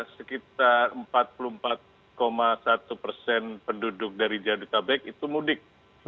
sekitar empat puluh empat satu persen penduduk dari jadutabek itu mudik